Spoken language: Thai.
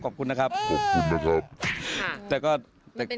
ขอบคุณนะครับขอบคุณนะครับ